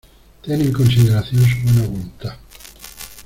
¡Ten en consideración su buena voluntad!